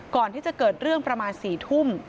ก่อนที่จะเกิดเรื่องประมาณ๔ทุ่ม